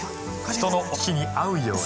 人のお口に合うように。